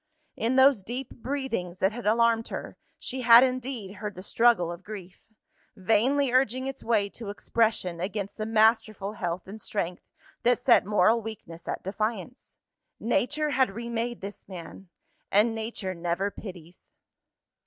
In those deep breathings that had alarmed her, she had indeed heard the struggle of grief, vainly urging its way to expression against the masterful health and strength that set moral weakness at defiance. Nature had remade this man and Nature never pities.